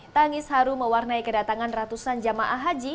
tangis haru mewarnai kedatangan ratusan jamaah haji